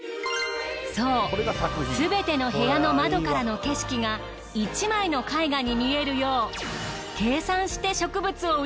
そう全ての部屋の窓からの景色が１枚の絵画に見えるよう。